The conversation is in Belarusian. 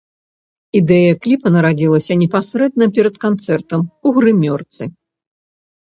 Ідэя кліпа нарадзілася непасрэдна перад канцэртам у грымёрцы.